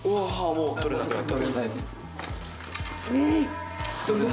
もう取れなくなった。